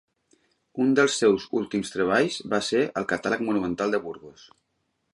Un dels seus últims treballs va ser el catàleg monumental de Burgos.